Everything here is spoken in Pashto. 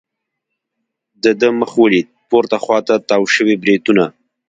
د ده مخ ولید، پورته خوا ته تاو شوي بریتونه.